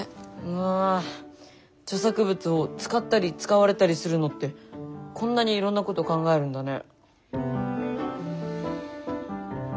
うわ著作物を使ったり使われたりするのってこんなにいろんなこと考えるんだね。